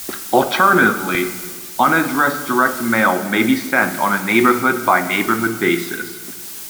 Alternatively, unaddressed direct mail may be sent on a neighbourhood-by-neighbourhood basis.